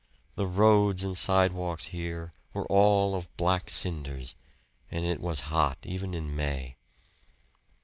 The roads and sidewalks here were all of black cinders, and it was hot even in May.